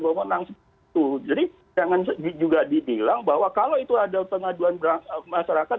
jadi jangan juga dibilang bahwa kalau itu ada pengaduan masyarakat